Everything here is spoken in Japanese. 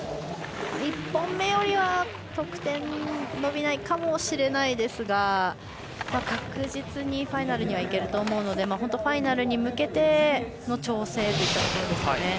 １本目よりは得点伸びないかもしれないですが確実にファイナルにはいけると思うので本当、ファイナルに向けての調整というところですかね。